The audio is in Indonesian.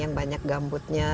yang banyak gambutnya